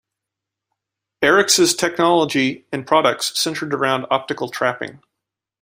Arryx's technology and products centered around optical trapping.